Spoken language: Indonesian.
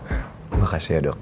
terima kasih ya dok